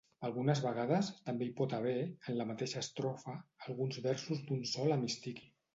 Algunes vegades, també hi pot haver, en la mateixa estrofa, alguns versos d'un sol hemistiqui.